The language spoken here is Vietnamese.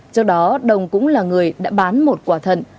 trước đó đồng cũng là người đã bán một quả thận